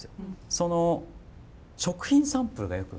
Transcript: その食品サンプルがよく。